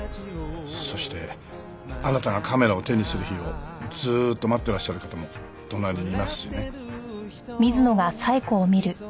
そしてあなたがカメラを手にする日をずーっと待ってらっしゃる方も隣にいますしね。